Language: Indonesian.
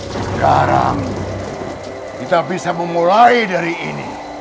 sekarang kita bisa memulai dari ini